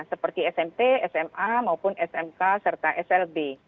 seperti smp sma maupun smk serta slb